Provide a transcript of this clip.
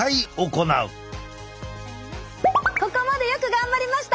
ここまでよく頑張りました！